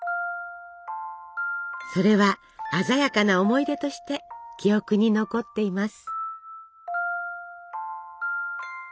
それは鮮やかな思い出として記憶に残っています。